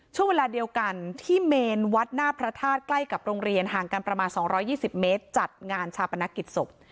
ช่วงเวลาเดียวกันที่เมนวัดหน้าพระธาตุใกล้กับโรงเรียนห่างกันประมาณ๒๒๐เมตรจัดงานชาปนกิจศพ